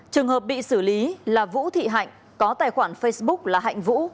trường hợp bị xử lý là vũ thị hạnh có tài khoản facebook là hạnh vũ